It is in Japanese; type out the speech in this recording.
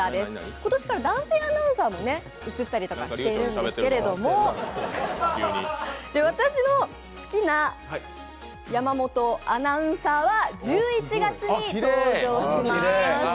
今年から男性アナウンサーも写ったりしてるんですけど、私の好きな山本アナウンサーは１１月に登場します。